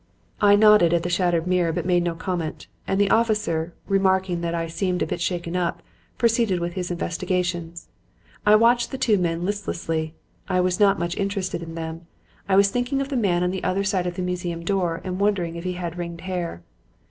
"I nodded at the shattered mirror but made no comment, and the officer, remarking that I 'seemed a bit shaken up,' proceeded with his investigations. I watched the two men listlessly. I was not much interested in them. I was thinking of the man on the other side of the museum door and wondering if he had ringed hair.